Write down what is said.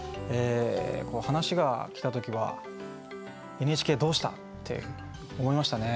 話が来た時は「ＮＨＫどうした？」って思いましたね。